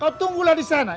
kau tunggulah di sana